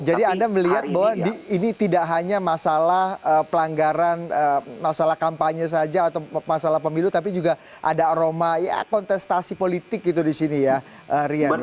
jadi anda melihat bahwa ini tidak hanya masalah pelanggaran masalah kampanye saja atau masalah pemilu tapi juga ada aroma ya kontestasi politik gitu di sini ya rian ya